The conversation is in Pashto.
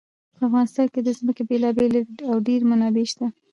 په افغانستان کې د ځمکه بېلابېلې او ډېرې منابع شته.